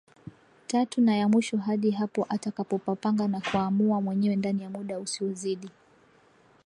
tatu na ya mwisho hadi hapo atakapopanga na kuamua mwenyewe ndani ya muda usiozidi